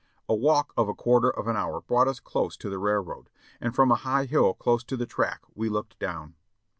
A walk of a quarter of an hour brought us close to the rail road, and from a high hill close to the track we looked down.